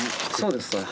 そうです。